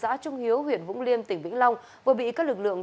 xã trung hiếu huyện vũng liêm tỉnh vĩnh long vừa bị các lực lượng